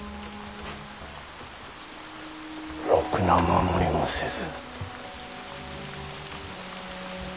ろくな守りもせず。